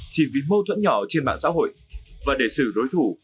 chỉ vì mâu thuẫn nhỏ trên mạng xã hội và để xử đối thủ